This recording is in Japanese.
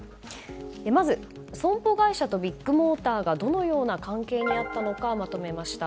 まず損保会社とビッグモーターがどのような関係にあったのかまとめました。